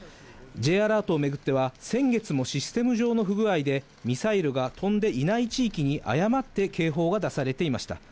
Ｊアラートを巡っては、先月もシステム上の不具合で、ミサイルが飛んでいない地域に誤って警報が出されていました。